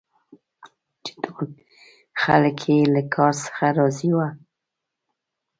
چي ټول خلک یې له کار څخه راضي وه.